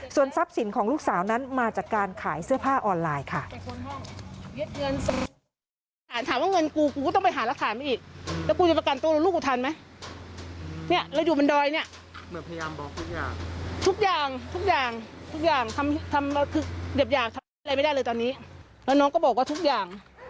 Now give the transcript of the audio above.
ส่วนทรัพย์สินของลูกสาวนั้นมาจากการขายเสื้อผ้าออนไลน์ค่ะ